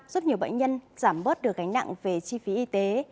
giúp nhiều bệnh nhân giảm bớt được gánh nặng về chi phí y tế